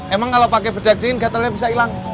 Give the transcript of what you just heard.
emang kalau pakai bedak dingin gatalnya bisa hilang